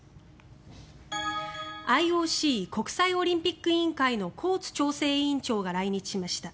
ＩＯＣ・国際オリンピック委員会のコーツ調整委員長が来日しました。